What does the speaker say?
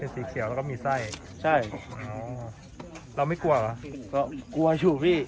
สีเขียวแล้วก็มีไส้ใช่อ๋อเราไม่กลัวเหรอก็กลัวอยู่พี่